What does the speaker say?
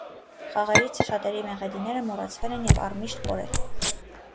Խաղերից շատերի մեղեդիները մոռացվել են և առմիշտ կորել։